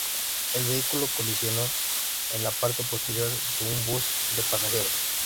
El vehículo colisionó en la parte posterior de un bus de pasajeros.